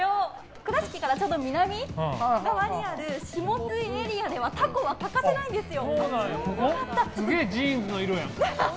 倉敷から、ちょうど南側にある下津井エリアではタコは欠かせないんですよ。